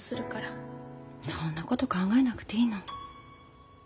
そんなこと考えなくていいの。